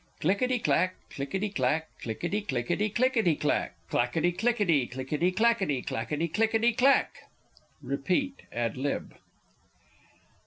_ Clickity clack, clickity clack, clickity, clickity, clickity clack; clackity clickity, clickity clackity, clackity clickity clack! [_Repeat ad. lib.